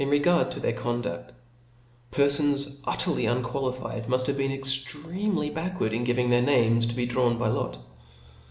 jj^ regard to their conduft* terfons utterly un « qualified, miift have been e5ctremely backward iti giving in their names to be drawn by lor.